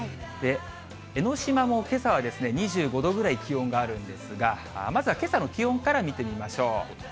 江の島もけさは２５度ぐらい気温があるんですが、まずはけさの気温から見てみましょう。